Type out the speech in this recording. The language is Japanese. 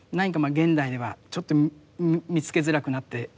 現代ではちょっと見つけづらくなっていると思いますし。